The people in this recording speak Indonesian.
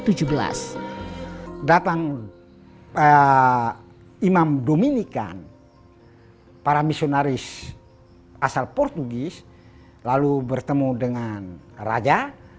datang imam dominikan para misionaris asal portugis lalu bertemu dengan raja